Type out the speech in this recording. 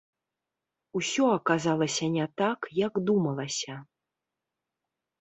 Усё аказалася не так, як думалася.